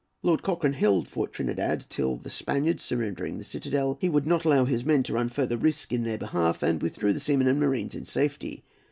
Lord Cochrane held Fort Trinidad till, the Spaniards surrendering the citadel, he would not allow his men to run further risk in their behalf, and withdrew the seamen and marines in safety.